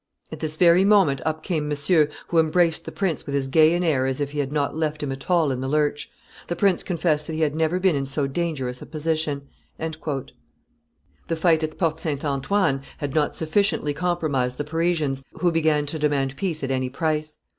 At this very moment up came Monsieur, who embraced the prince with as gay an air as if he had not left him at all in the lurch. The prince confessed that he had never been in so dangerous a position." The fight at Porte St. Antoine had not sufficiently compromised the Parisians, who began to demand peace at any price.